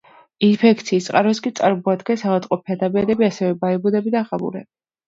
ინფექციის წყაროს კი წარმოადგენს ავადმყოფი ადამიანი, ასევე მაიმუნები და ღამურები.